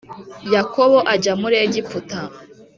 Yakobo ajya muri Egiputa